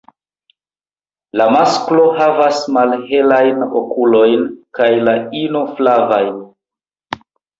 La masklo havas malhelajn okulojn kaj la ino flavajn.